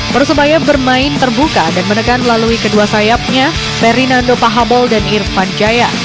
persebaya bermain terbuka dan menekan melalui kedua sayapnya ferdinando pahabol dan irfan jaya